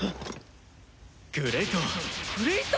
グレイト！